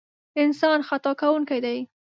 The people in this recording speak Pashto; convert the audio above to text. انسان خطا کوونکی دی.